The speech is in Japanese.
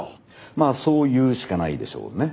まあそう言うしかないでしょうね。